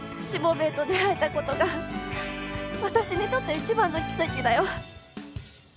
しもべえと出会えたことが私にとって一番の奇跡だよ。